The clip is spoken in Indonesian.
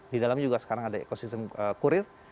di dalamnya juga sekarang ada ekosistem kurir